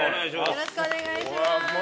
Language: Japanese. よろしくお願いします。